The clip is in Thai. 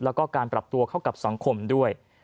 แล้วก็การปรับตัวเข้ากับสังคมด้วย